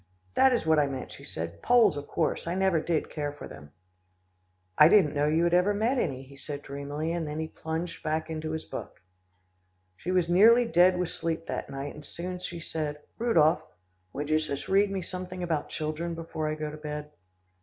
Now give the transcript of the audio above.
"That is what I meant," she said, "Poles of course, I never did care for them." "I didn't know you had ever met any," he said dreamily, then he plunged again into his book. She was nearly dead with sleep that night, and soon she said, "Rudolph, would you just read me something about children, before I go to bed?"